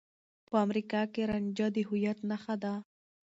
په امريکا کې رانجه د هويت نښه ده.